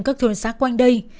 các thôn xác quanh đây